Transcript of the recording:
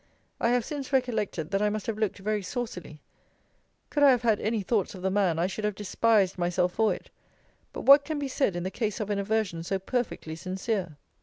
I have since recollected, that I must have looked very saucily. Could I have had any thoughts of the man, I should have despised myself for it. But what can be said in the case of an aversion so perfectly sincere?